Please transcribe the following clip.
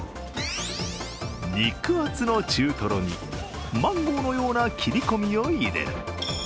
肉厚の中トロにマンゴーのような切り込みを入れる。